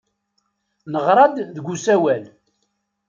Neɣra-d deg usawal.